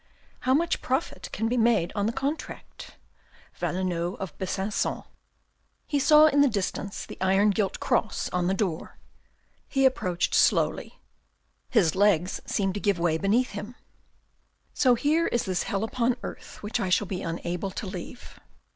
How much profit can be made on the contract? — Valtnod of Besaticon. He saw in the distance the iron gilt cross on the door. He approached slowly. His legs seemed to give way beneath him. " So here is this hell upon earth which I shall be unable to leave."